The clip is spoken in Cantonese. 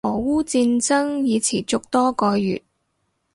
俄烏戰爭已持續多個月